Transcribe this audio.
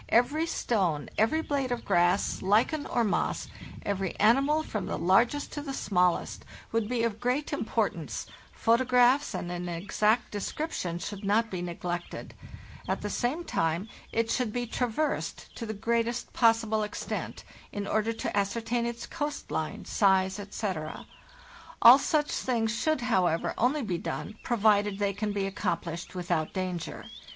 Every stone, every blade of WE MAKE A START a grass, lichen, or moss, every animal, from the largest to the smallest, would be of great importance , photographs, and an exact description should not be neglected; at the same time, it should be traversed to the greatest possible extent, in order to ascertain its coast line, size, etc. © All such things should, however, only be done, provided they can be accomplished without danger.